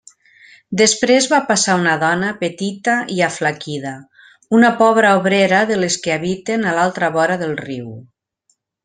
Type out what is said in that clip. Després va passar una dona petita i aflaquida, una pobra obrera de les que habiten a l'altra vora del riu.